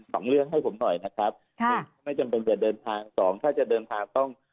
สองเรื่องให้ผมหน่อยนะครับไม่จำเป็นเดินทางสองถ้าจะเดินทาง